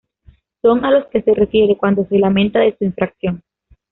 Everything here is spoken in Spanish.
Son a los que se refiere cuando se lamenta de su infracción